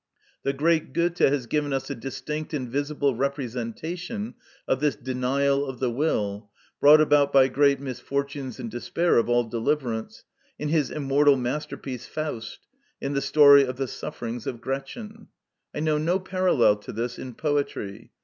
The great Goethe has given us a distinct and visible representation of this denial of the will, brought about by great misfortunes and despair of all deliverance, in his immortal masterpiece "Faust," in the story of the sufferings of Gretchen. I know no parallel to this in poetry.